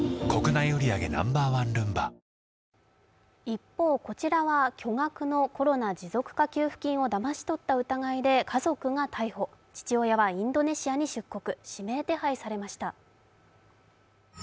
一方、こちらは巨額のコロナ持続化給付金をだまし取った疑いで家族が逮捕、父親はインドネシアに出国、指名手配されました。